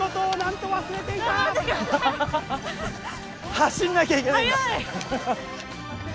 走らなきゃいけないんだ。